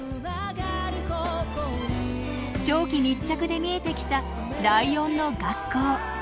長期密着で見えてきたライオンの学校。